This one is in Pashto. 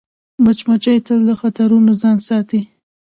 مچمچۍ تل له خطرونو ځان ساتي